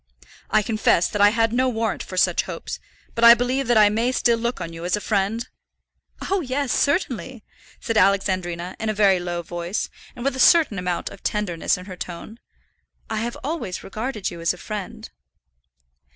I confess that I had no warrant for such hopes, but I believe that I may still look on you as a friend?" "Oh, yes, certainly," said Alexandrina, in a very low voice, and with a certain amount of tenderness in her tone. "I have always regarded you as a friend."